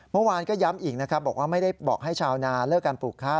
เมื่อวานก็ย้ำอีกนะครับบอกว่าไม่ได้บอกให้ชาวนาเลิกการปลูกข้าว